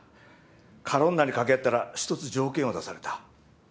カロンナにかけ合ったら一つ条件を出された。